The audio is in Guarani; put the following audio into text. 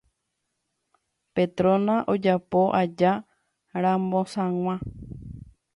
Petrona ojapo aja rambosag̃ua